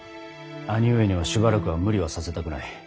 兄上にはしばらくは無理はさせたくない。